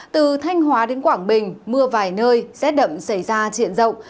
từ thanh hóa đến quảng bình mưa vài nơi rét đậm xảy ra diện rộng